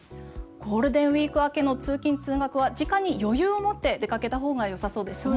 ゴールデンウィーク明けの通勤・通学は時間に余裕を持って出かけたほうがよさそうですね。